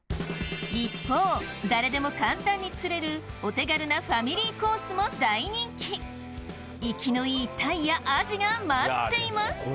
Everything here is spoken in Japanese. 一方誰でも簡単に釣れるお手軽なファミリーコースも大人気生きのいいタイやアジが待っています